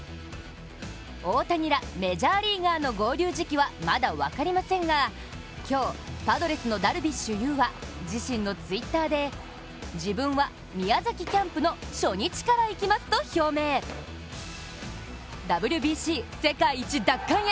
大谷らメジャーリーガーの合流時期はまだ分かりませんが今日、パドレスのダルビッシュ有は自身のＴｗｉｔｔｅｒで自分は宮崎キャンプの初日から行きますと表明ＷＢＣ世界一奪還へ。